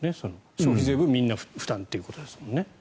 消費税分、みんな負担ということですもんね。